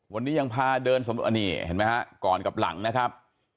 วันนี้ยังพาเดินสำรวจอันนี้เห็นไหมฮะก่อนกับหลังนะครับ